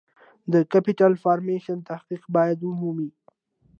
د Capital Formation تحقق باید ومومي.